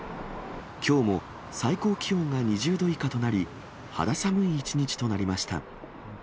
きょうも最高気温が２０度以下となり、肌寒い一日となりました。